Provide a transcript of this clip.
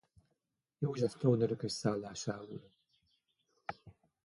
József trónörökös szállásául.